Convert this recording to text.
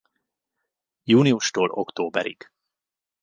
Júniustól októberig.